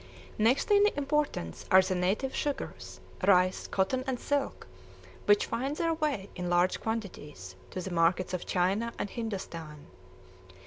Next in importance are the native sugars, rice, cotton, and silk, which find their way in large quantities to the markets of China and Hindostan.